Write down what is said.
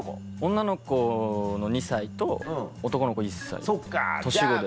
女の子の２歳と男の子１歳年子で。